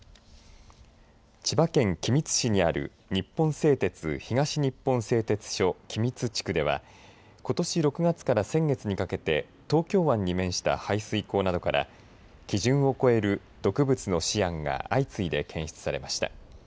千葉県君津市にある日本製鉄東日本製鉄所君津地区ではことし６月から先月にかけて東京湾に面した排水口などから基準を超える毒物のシアンが相次いで検出されました。